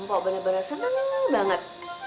mbak bener bener senang banget